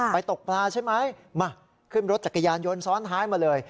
ตกปลาใช่ไหมมาขึ้นรถจักรยานยนต์ซ้อนท้ายมาเลย